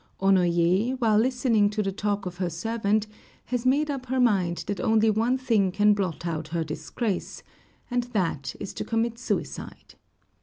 Onoyé, while listening to the talk of her servant, has made up her mind that only one thing can blot out her disgrace, and that is to commit suicide.